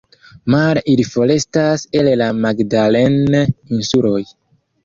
Male ili forestas el la Magdalen-Insuloj.